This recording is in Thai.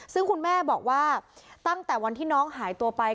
ซึ่งคุณแม่บอกว่าตั้งแต่วันที่น้องหายตัวไป